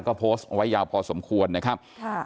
ก็โพสต์เอาไว้ยาวพอสมควรนะครับ